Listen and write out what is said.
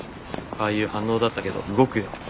ああいう反応だったけど動くよ